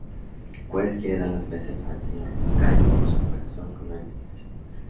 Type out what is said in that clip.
Quest quiere dar las gracias al Sr McKay por su cooperación con la investigación".